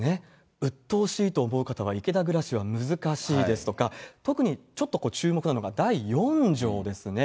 うっとうしいと思う方は、池田暮らしは難しいですとか、特にちょっと注目なのが、第４条ですね。